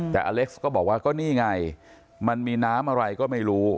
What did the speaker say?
แต่อเล็กซ์ก็บอกว่าก็นี่ไงมันมีน้ำอะไรก็ไม่รู้